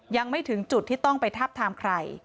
ยังไม่ถึงจุดที่ต้องไปทับทามใคร